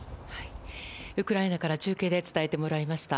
ウクライナから中継で伝えてもらいました。